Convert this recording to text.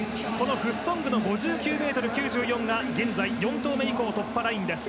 フッソングの５９ｍ９４が現在、４投目以降突破ラインです。